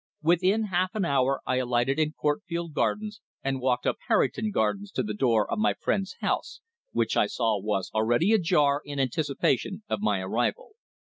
Within half an hour I alighted in Courtfield Gardens and walked up Harrington Gardens to the door of my friend's house, which I saw was already ajar in anticipation of my arrival.